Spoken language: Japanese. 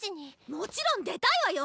もちろん出たいわよ！